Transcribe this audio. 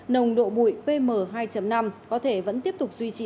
nồng độ bụi pm hai năm có thể vẫn tiếp tục duy trì